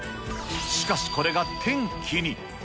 しかし、これが転機に。